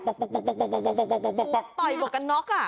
ต่อยบวงกันค่ะ